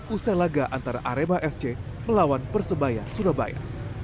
usai laga antara arema fc melawan persebaya surabaya